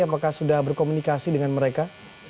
apakah sudah berkomunikasi dengan mereka